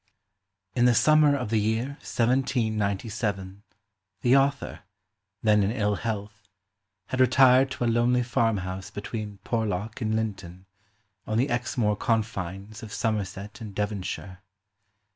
*" In the summer of the year 1797 the author, then in ill health, had retired to a lonely farmhouse between Por lock and Linton, on the Exmoor confines of Somerset and Devonshire.